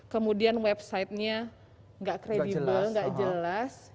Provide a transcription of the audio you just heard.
kemudian website nya gak kredibel gak jelas